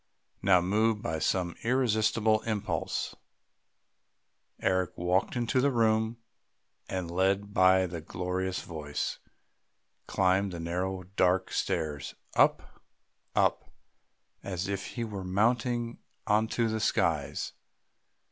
Now, moved by some irresistible impulse, Eric walked into the house, and, led by the glorious voice, climbed the narrow dark stairs, up, up, as if he were mounting into the skies.